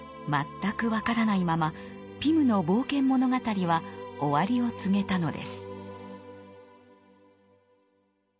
全く分からないままピムの冒険物語は終わりを告げたのです。